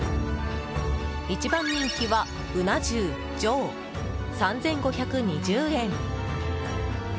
一番人気はうな重・上３５２０円。